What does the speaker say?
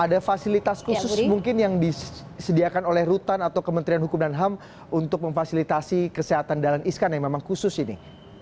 ada fasilitas khusus mungkin yang disediakan oleh rutan atau kementerian hukum dan ham untuk memfasilitasi kesehatan dahlan iskan yang memang khusus ini